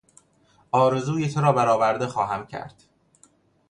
آرزوی تو را بر آورده خواهم کرد.